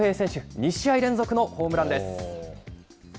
２試合連続のホームランです。